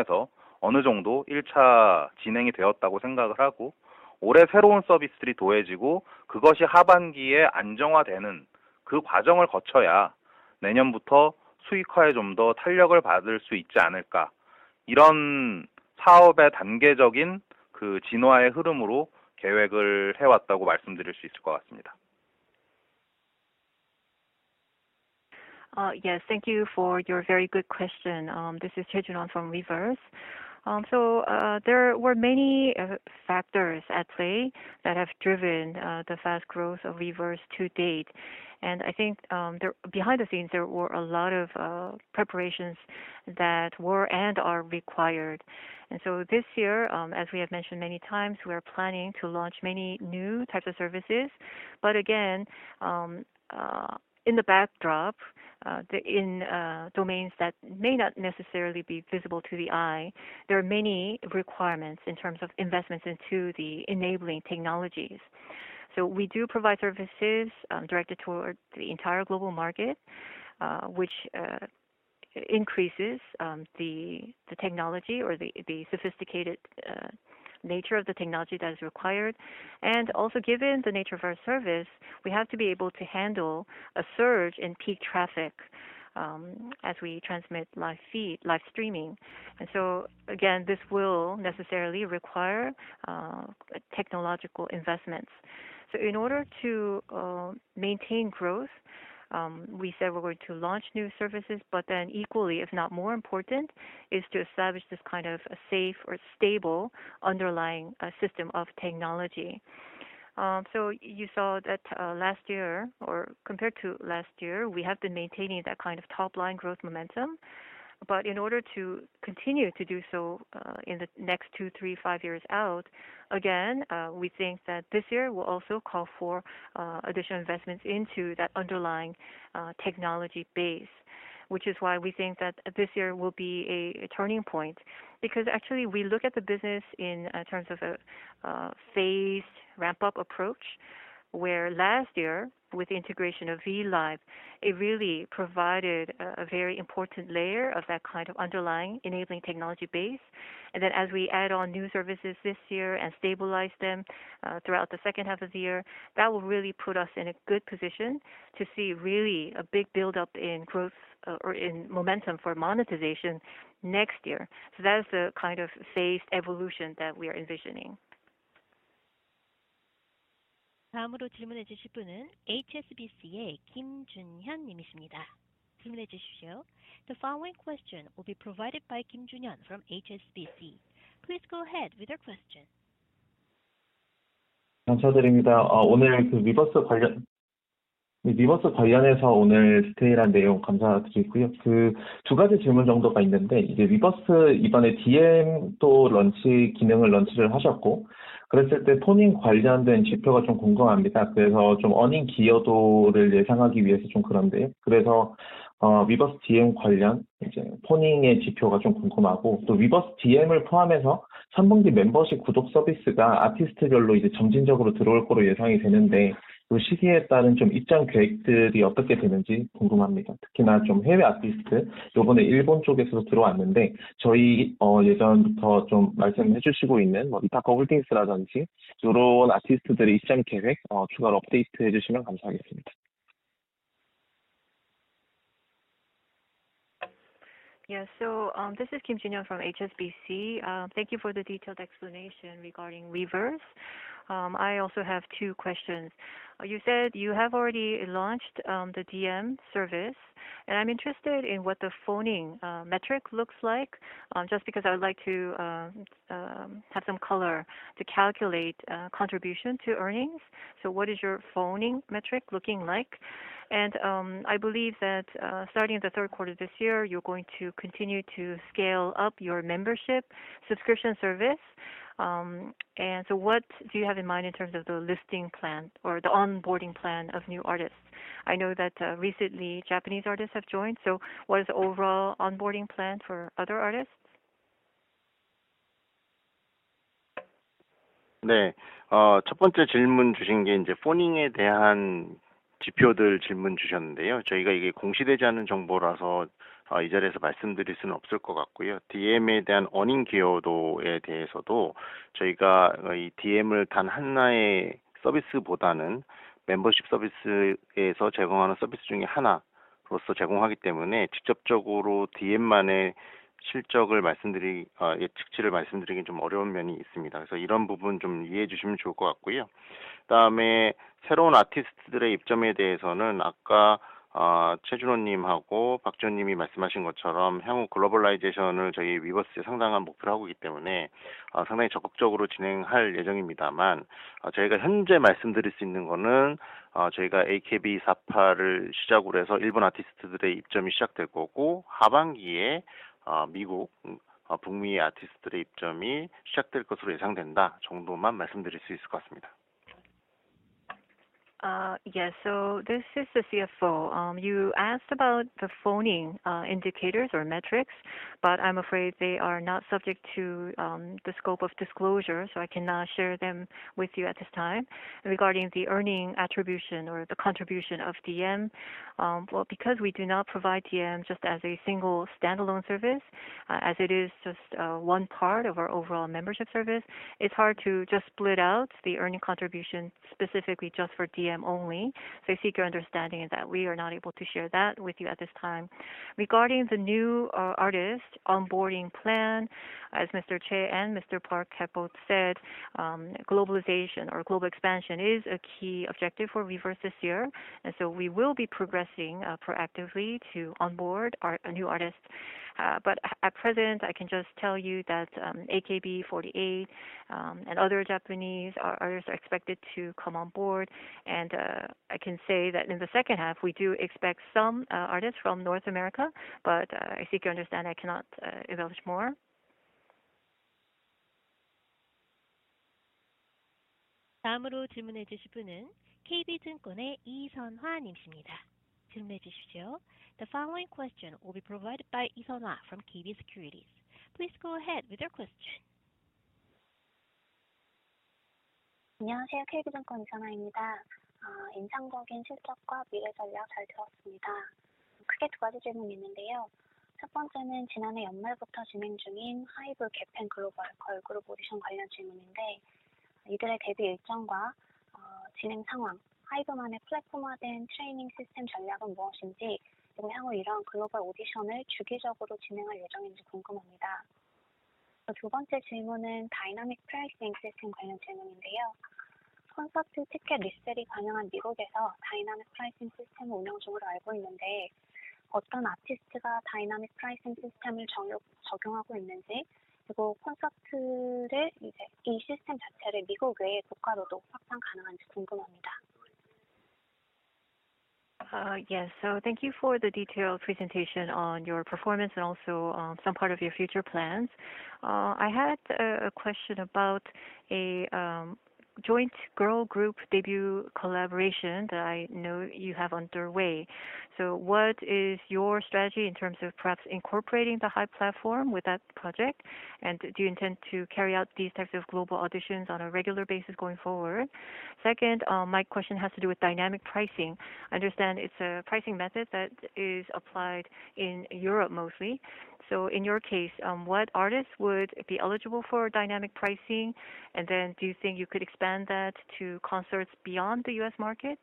widening loss? Yes. Thank you for your very good question. This is Choi Joon-won from Weverse. So, there were many factors at play that have driven the fast growth of Weverse to date. And I think behind the scenes there were a lot of preparations that were and are required. This year, as we have mentioned many times, we are planning to launch many new types of services. Again, in the backdrop, the in domains that may not necessarily be visible to the eye, there are many requirements in terms of investments into the enabling technologies. We do provide services, directed towards the entire global market, which increases the technology or the sophisticated nature of the technology that is required. Also given the nature of our service, we have to be able to handle a surge in peak traffic, as we transmit live feed, live streaming. Again, this will necessarily require technological investments. In order to maintain growth, we said we're going to launch new services, equally, if not more important, is to establish this kind of a safe or stable underlying system of technology. You saw that last year or compared to last year, we have been maintaining that kind of top line growth momentum. In order to continue to do so, in the next two, three, five years out, again, we think that this year will also call for additional investments into that underlying technology base. Which is why we think that this year will be a turning point because actually we look at the business in terms of a phased ramp-up approach, where last year with the integration of V LIVE, it really provided a very important layer of that kind of underlying enabling technology base. As we add on new services this year and stabilize them, throughout the second half of the year, that will really put us in a good position to see really a big buildup in growth or in momentum for monetization next year. That is the kind of phased evolution that we are envisioning. The following question will be provided by Kim Junyeon from HSBC. Please go ahead with your question. Yes. This is Kim Junyeon from HSBC. Thank you for the detailed explanation regarding Weverse. I also have two questions. You said you have already launched the DM service, and I'm interested in what the fandom metric looks like, just because I would like to have some color to calculate contribution to earnings. What is your fandom metric looking like? I believe that, starting in the third quarter this year, you're going to continue to scale up your membership subscription service. What do you have in mind in terms of the listing plan or the onboarding plan of new artists? I know that recently Japanese artists have joined, what is the overall onboarding plan for other artists? Yes. This is the CFO. You asked about the fandom indicators or metrics, I'm afraid they are not subject to the scope of disclosure, I cannot share them with you at this time. Regarding the earning attribution or the contribution of DM, well, because we do not provide DM just as a single standalone service, as it is just 1 part of our overall membership service, it's hard to just split out the earning contribution specifically just for DM only. I seek your understanding that we are not able to share that with you at this time. Regarding the new artist onboarding plan, as Mr. Choi and Mr. Park have both said, globalization or global expansion is a key objective for Weverse this year, and so we will be progressing proactively to onboard new artists. At present, I can just tell you that AKB48 and other Japanese artists are expected to come on board. I can say that in the second half, we do expect some artists from North America, but I seek your understanding I cannot divulge more. The following question will be provided by Lee Sun-hwa from KB Securities. Please go ahead with your question. Yes. Thank you for the detailed presentation on your performance and also some part of your future plans. I had a question about a Joint girl group debut collaboration that I know you have underway. What is your strategy in terms of perhaps incorporating the HYBE platform with that project? Do you intend to carry out these types of global auditions on a regular basis going forward? Second, my question has to do with dynamic pricing. I understand it's a pricing method that is applied in Europe mostly. In your case, what artists would be eligible for dynamic pricing? Do you think you could expand that to concerts beyond the U.S. market?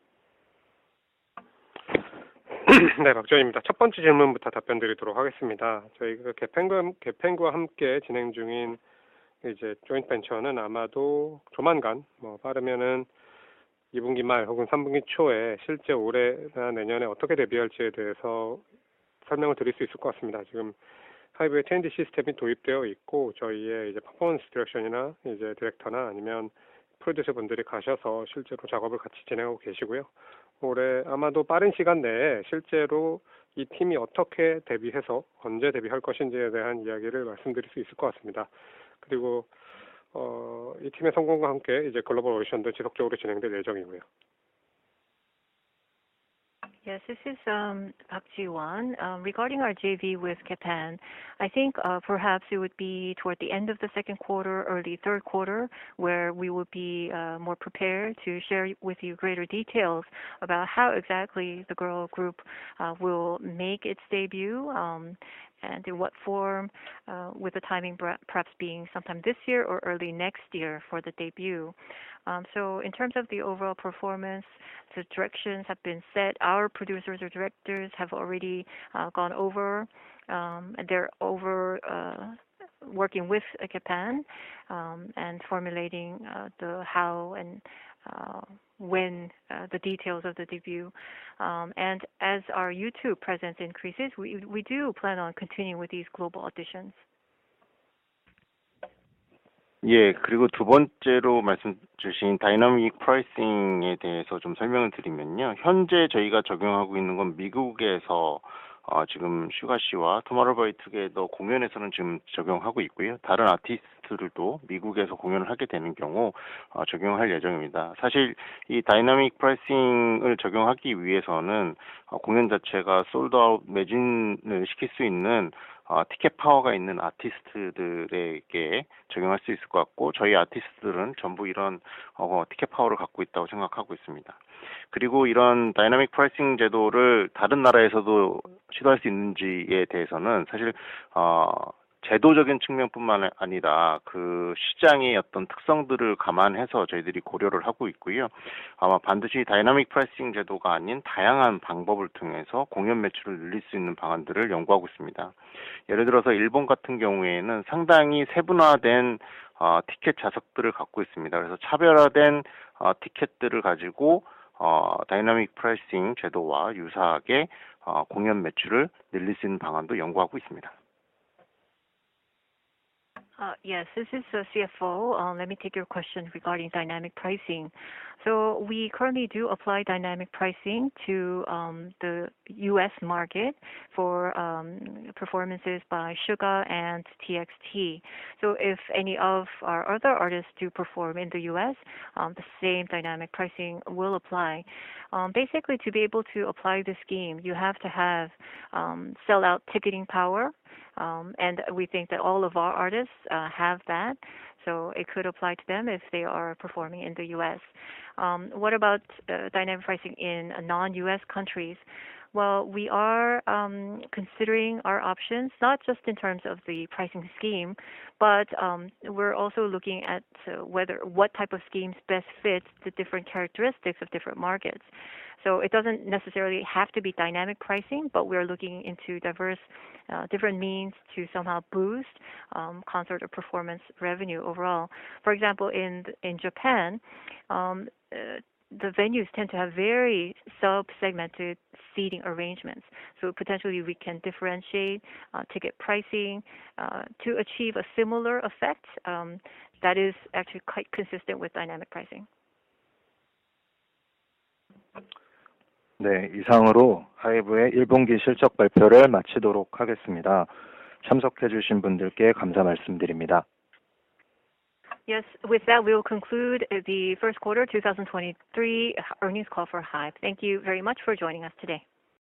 Yes, this is Park Ji-won. Regarding our JV with Kakao, I think perhaps it would be toward the end of the second quarter, early third quarter, where we will be more prepared to share with you greater details about how exactly the girl group will make its debut, and in what form, with the timing perhaps being sometime this year or early next year for the debut. In terms of the overall performance, the directions have been set. Our producers or directors have already gone over, they're over working with Kakao, and formulating the how and when the details of the debut. As our YouTube presence increases, we do plan on continuing with these global auditions. Yes, this is the CFO. Let me take your question regarding dynamic pricing. We currently do apply dynamic pricing to the US market for performances by Suga and TXT. If any of our other artists do perform in the US, the same dynamic pricing will apply. Basically, to be able to apply the scheme, you have to have sellout ticketing power, and we think that all of our artists have that, so it could apply to them if they are performing in the US. What about dynamic pricing in non-US countries? We are considering our options, not just in terms of the pricing scheme, but we're also looking at whether what type of schemes best fit the different characteristics of different markets. It doesn't necessarily have to be dynamic pricing, but we are looking into diverse different means to somehow boost concert or performance revenue overall. For example, in Japan, the venues tend to have very sub-segmented seating arrangements, so potentially we can differentiate ticket pricing to achieve a similar effect that is actually quite consistent with dynamic pricing. Yes. With that, we will conclude the first quarter 2023 earnings call for HYBE. Thank you very much for joining us today.